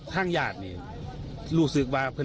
ภาพภาพแปลกอ่ะ